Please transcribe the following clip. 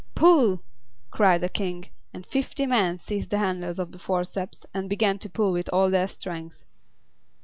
"Pull!" cried the King; and fifty men seized the handles of the forceps and began to pull with all their strength.